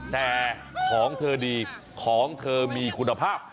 แต่ของเธอดีของเธอมีคุณภาพ